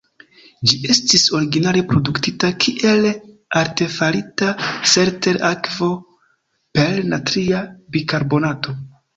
Ĝi estis originale produktita kiel artefarita Selters-akvo per natria bikarbonato.